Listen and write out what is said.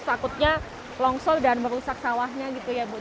takutnya longsor dan merusak sawahnya gitu ya bu